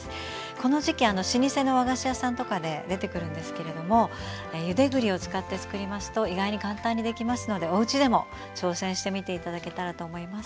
この時期老舗の和菓子屋さんとかで出てくるんですけれどもゆで栗を使ってつくりますと意外に簡単にできますのでおうちでも挑戦してみて頂けたらと思います。